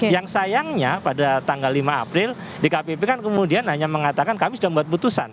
yang sayangnya pada tanggal lima april dkpp kan kemudian hanya mengatakan kami sudah membuat putusan